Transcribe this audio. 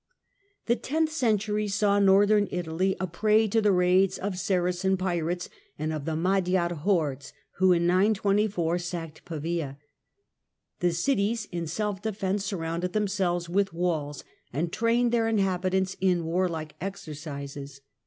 The tenth century saw Northern Italy a prey to the raids of Saracen pirates and of the Magyar hordes who in 924 sacked Pavia. The cities, in self defence, sur rounded themselves with walls, and trained their in habitants in warlike exercises.